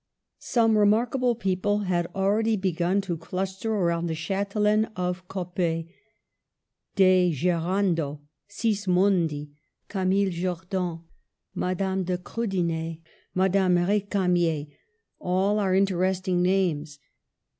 Some remarkable people had already begun to cluster round the Chatelaine of Coppet. De Gerando, Sismondi, Camille Jordan, Madame de ' Krudener, Madame Recamier— all are interest ing names.